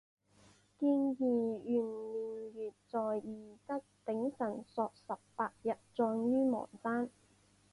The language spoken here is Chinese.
建义元年月在夷则丙辰朔十八日葬于邙山。